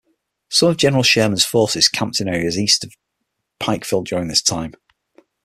Some of General Sherman's forces camped in areas east of Pikeville during this time.